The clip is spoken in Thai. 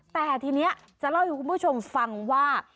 แต่ทีนี้จะเล่าให้คุณผู้ชมฟังว่า